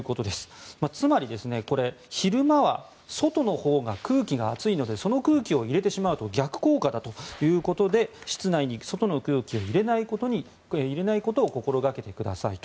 つまり昼間は外のほうが空気が暑いのでその空気を入れてしまうと逆効果だということで室内に外の空気を入れないことを心掛けてくださいと。